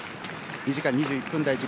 ２時間２１分台自己